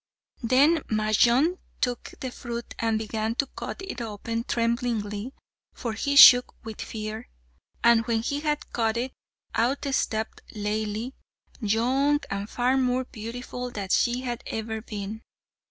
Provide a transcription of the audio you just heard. Then Majnun took the fruit and began to cut it open tremblingly, for he shook with fear; and when he had cut it, out stepped Laili, young and far more beautiful than she had ever been.